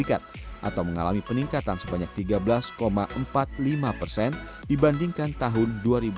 atau mengalami peningkatan sebanyak tiga belas empat puluh lima persen dibandingkan tahun dua ribu dua puluh